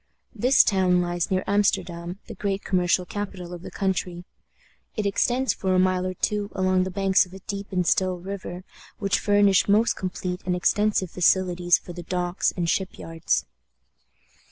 This town lies near Amsterdam, the great commercial capital of the country. It extends for a mile or two along the banks of a deep and still river, which furnish most complete and extensive facilities for the docks and ship yards.